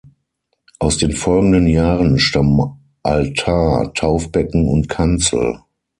Aus den folgenden Jahren stammen Altar, Taufbecken und Kanzel.